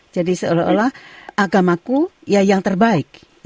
jadi seolah olah agamaku yang terbaik